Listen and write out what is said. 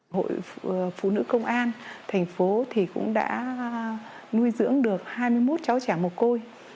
hội phụ nữ công an thành phố cũng đã nuôi dưỡng được hai mươi một cháu trẻ mồ côi